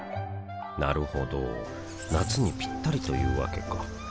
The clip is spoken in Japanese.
なるほど夏にピッタリというわけか